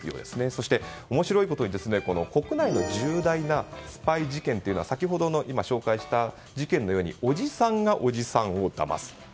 そして、面白いことに国内の重大なスパイ事件は先ほどの今紹介した事件のようにおじさんがおじさんをだます。